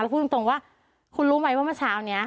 พูดตรงว่าคุณรู้ไหมว่าเมื่อเช้านี้